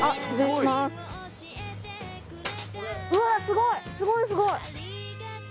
すごい。